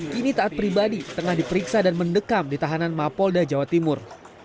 kini taat pribadi tengah diperiksa dan mendekam di tahanan mapolda jawa timur